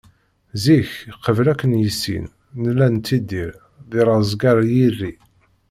Zik, qbel ad ken-yissin, nella nettidir, di rrezg ar yiri.